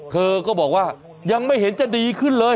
เธอก็บอกว่ายังไม่เห็นจะดีขึ้นเลย